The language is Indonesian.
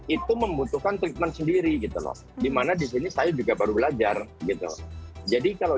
itu membutuhkan treatment sendiri gitu loh dimana disini saya juga baru belajar gitu jadi kalau